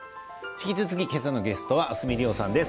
引き続き、今朝のゲストは明日海りおさんです。